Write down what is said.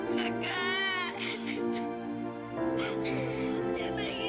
kakak jangan lagi kak